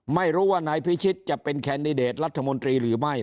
ไม่รู้ว่านายพิชิตจะเป็นแคนดิเดตรัฐมนตรีหรือไม่